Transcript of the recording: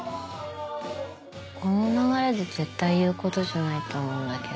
この流れで絶対言うことじゃないと思うんだけど